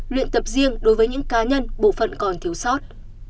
luyện tập riêng đối với những cá nhân bộ phận còn thiếu sót